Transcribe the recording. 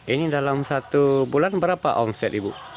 ini dalam satu bulan berapa omset ibu